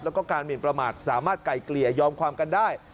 แล้วก็การหมินประมาทสามารถไกลเกลี่ยยอมความกันได้